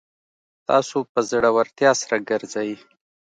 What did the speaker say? تاسو په زړورتیا سره ګرځئ